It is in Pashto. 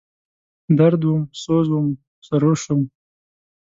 درد وم، سوز ومه، سرور شوم